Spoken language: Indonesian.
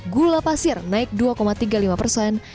gula pasir naik dua tiga puluh lima persen